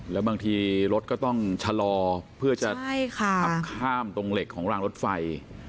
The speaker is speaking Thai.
แล้วบางทีรถก็ต้องชะลอเพื่อจะขับข้ามตรงเหล็กของรางรถไฟ